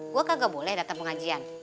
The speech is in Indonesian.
gua kan gak boleh datang pengajian